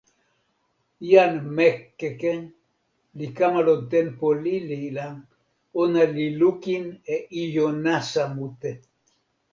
jan Mekeke li kama lon tenpo lili la, ona li lukin e ijo nasa mute.